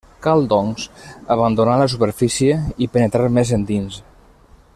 Cal, doncs, abandonar la superfície i penetrar més endins.